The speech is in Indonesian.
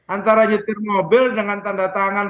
antara nyetir mobil dengan tanda tangan